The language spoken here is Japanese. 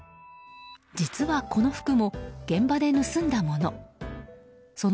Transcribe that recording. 実は、この服も現場で盗んだもの。